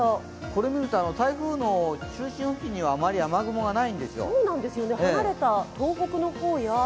これ見ると台風の中心付近にはあまり雨雲がないんですよ。